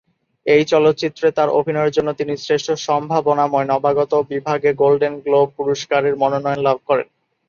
এই চলচ্চিত্রে তার অভিনয়ের জন্য তিনি শ্রেষ্ঠ সম্ভাবনাময় নবাগত বিভাগে গোল্ডেন গ্লোব পুরস্কারের মনোনয়ন লাভ করেন।